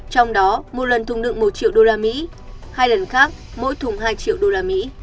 trong đó một lần thùng đựng một triệu usd hai lần khác mỗi thùng hai triệu usd